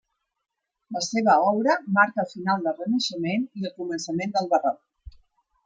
La seva obra marca el final del Renaixement i el començament del Barroc.